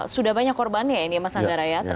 sudah banyak korbannya ini ya mas andara ya